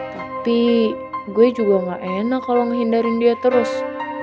tapi gue juga gak enak kalo ngehindarin dia terus